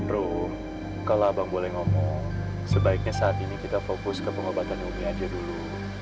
roh kalau abang boleh ngomong sebaiknya saat ini kita fokus ke pengobatan umi aja dulu